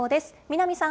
南さん。